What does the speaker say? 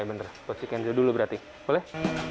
oke bentar oh si kenzo dulu berarti boleh